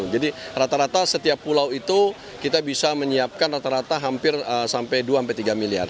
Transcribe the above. rata rata setiap pulau itu kita bisa menyiapkan rata rata hampir sampai dua tiga miliar